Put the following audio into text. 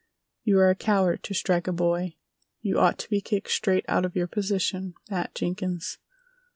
"You are a coward to strike a boy! You ought to be kicked straight out of your position, Matt Jenkins!"